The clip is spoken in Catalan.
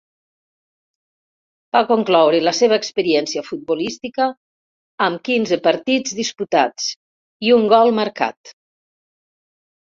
Va concloure la seva experiència futbolística amb quinze partits disputats i un gol marcat.